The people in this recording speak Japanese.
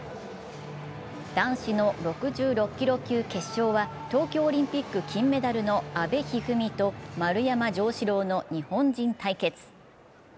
男子の６６キロ級決勝は東京オリンピック金メダルの阿部一二三と丸山城志郎の日本人対決。